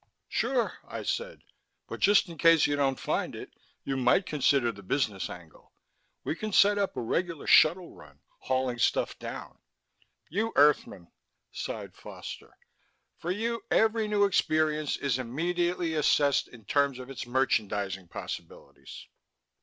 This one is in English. "Sure," I said. "But just in case you don't find it, you might consider the business angle. We can set up a regular shuttle run, hauling stuff down " "You earthmen," sighed Foster. "For you every new experience is immediately assessed in terms of its merchandising possibilities.